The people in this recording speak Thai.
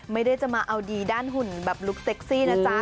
ไม่ได้จะมาเอาดีด้านหุ่นแบบลุคเซ็กซี่นะจ๊ะ